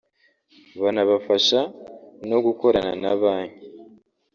banabafasha no gukorana na banki